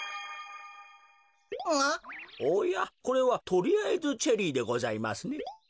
おやこれはとりあえずチェリーでございますね。